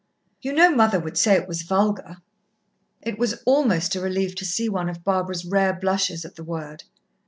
"You know mother would say it was vulgar." It was almost a relief to see one of Barbara's rare blushes at the word.